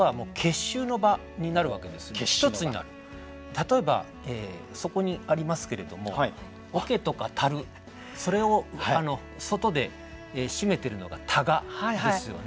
例えばそこにありますけれども桶とか樽それを外で締めてるのがたがですよね。